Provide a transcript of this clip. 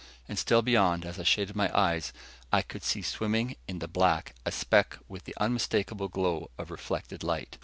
And still beyond, as I shaded my eyes, I could see swimming in the black a speck with the unmistakable glow of reflected light.